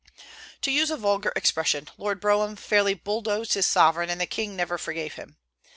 To use a vulgar expression, Lord Brougham fairly "bulldozed" his sovereign, and the king never forgave him.